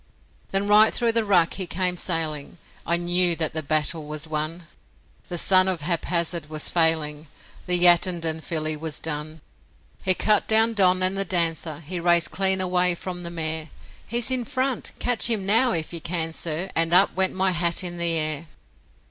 Then right through the ruck he came sailing I knew that the battle was won The son of Haphazard was failing, The Yattendon filly was done; He cut down the Don and the Dancer, He raced clean away from the mare He's in front! Catch him now if you can, sir! And up went my hat in the air!